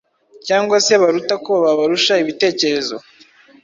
cyangwa se baruta, ko babarusha ibitekerezo,